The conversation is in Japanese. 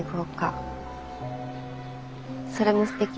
それもすてきだね。